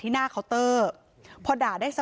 พนักงานในร้าน